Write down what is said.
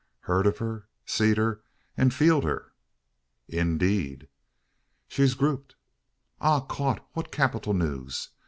"Heern o' her, seed her, an feeled her." "Indeed!" "She air grupped." "Ah, caught! what capital news!